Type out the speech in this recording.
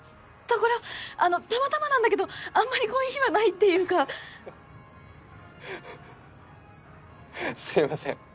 これはあのたまたまなんだけどあんまりこういう日はないっていうかすいません